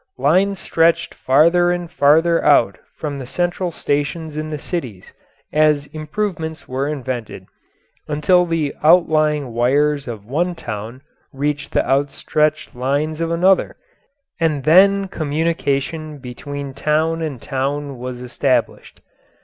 Lines stretched farther and farther out from the central stations in the cities as improvements were invented, until the outlying wires of one town reached the outstretched lines of another, and then communication between town and town was established.